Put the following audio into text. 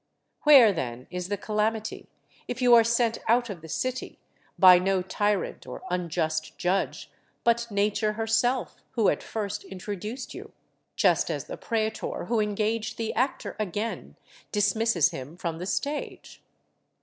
Where then is the calamity, if you are sent out of the city, by no tyrant or unjust judge, but Nature herself who at first introduced you, just as the praetor who engaged the actor again dismisses him from the stage?